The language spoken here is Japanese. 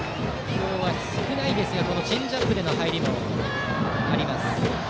今日は少ないですがチェンジアップの入りもあります。